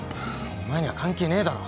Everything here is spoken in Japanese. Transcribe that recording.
お前には関係ねえだろ。